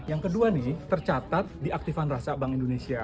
yang kedua nih tercatat diaktifan rasa bank indonesia